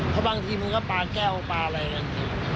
เพราะบางทีมันก็ปลาแก้วปลาอะไรนั่น